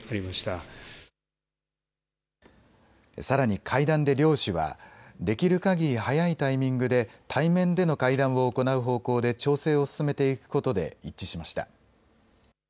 さらに会談で両氏はできるかぎり早いタイミングで対面での会談を行う方向で調整を進めていくことで一致しました。